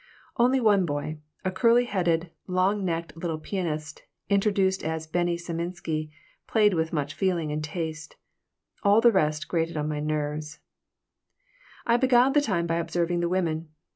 Only one boy a curly headed, long necked little pianist, introduced as Bennie Saminsky played with much feeling and taste. All the rest grated on my nerves I beguiled the time by observing the women.